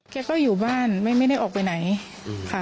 แกก็อยู่บ้านไม่ได้ออกไปไหนค่ะ